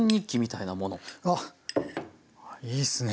いいっすね。